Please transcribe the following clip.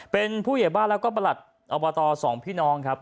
เป็นผู้ใหญ่บ้านแล้วก็ประหลัดอบต๒พี่น้องครับ